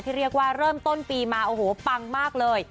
เรียกว่าเริ่มต้นปีมาโอ้โหปังมากเลย